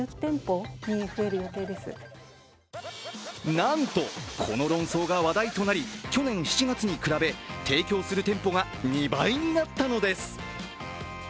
なんと、この論争が話題となり去年７月に比べ、提供する店舗が２倍になったのです